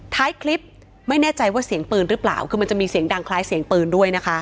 ท้ายคลิปไม่แน่ใจว่าเสียงปืนหรือเปล่าคือมันจะมีเสียงดังคล้ายเสียงปืนด้วยนะคะ